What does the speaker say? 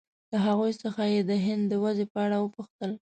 له هغوی څخه یې د هند د وضعې په اړه وپوښتل.